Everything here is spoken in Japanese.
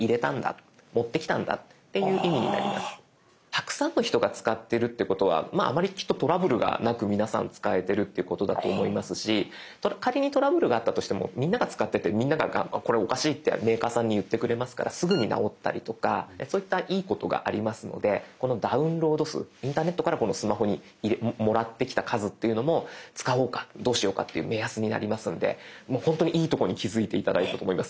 たくさんの人が使ってるっていうことはあまりきっとトラブルがなく皆さん使えてるっていうことだと思いますし仮にトラブルがあったとしてもみんなが使っててみんながこれおかしいってメーカーさんに言ってくれますからすぐに直ったりとかそういったいいことがありますのでこのダウンロード数インターネットからこのスマホにもらってきた数というのも使おうかどうしようかっていう目安になりますので本当にいいとこに気付いて頂いたと思います。